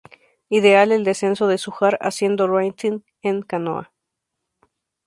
Ideal el descenso del Zújar haciendo rafting y en canoa.